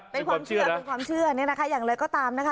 เป็นความเชื่อเป็นความเชื่อเนี่ยนะคะอย่างไรก็ตามนะคะ